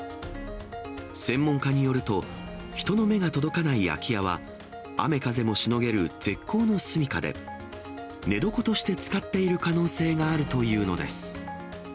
専門家によると、人の目が届かない空き家は、雨風もしのげる絶好の住みかで、寝床として使っている可能性があるというのです。